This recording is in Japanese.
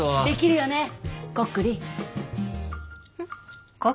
できるよね？